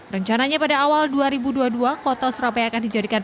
rencananya pada awal dua ribu dua puluh dua kota surabaya akan dijadikan